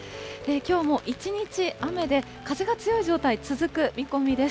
きょうも一日雨で、風が強い状態続く見込みです。